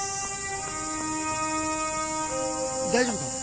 大丈夫か？